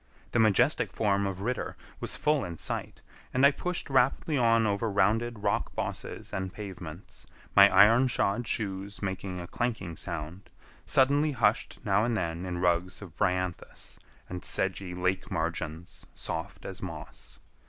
The majestic form of Ritter was full in sight, and I pushed rapidly on over rounded rock bosses and pavements, my iron shod shoes making a clanking sound, suddenly hushed now and then in rugs of bryanthus, and sedgy lake margins soft as moss.